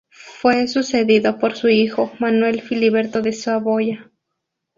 Fue sucedido por su hijo, Manuel Filiberto de Saboya.